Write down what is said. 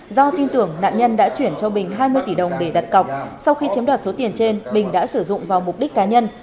do tin tưởng nạn nhân đã chuyển cho bình hai mươi tỷ đồng để đặt cọc sau khi chiếm đoạt số tiền trên bình đã sử dụng vào mục đích cá nhân